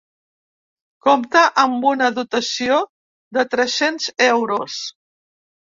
Compta amb una dotació de tres-cents euros.